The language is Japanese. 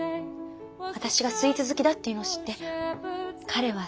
私がスイーツ好きだっていうのを知って彼は誘ってくれた。